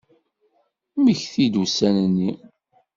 Mmektiɣ-d ussan-nni.